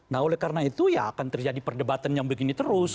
nah oleh karena itu ya akan terjadi perdebatan yang begini terus